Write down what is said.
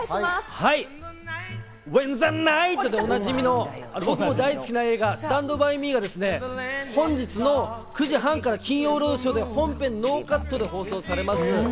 はい、Ｗｈｅｎｔｈｅｎｉｇｈｔでおなじみの僕も大好きな映画、『スタンド・バイ・ミー』が本日の９時半から『金曜ロードショー』で本編ノーカットで放送されます。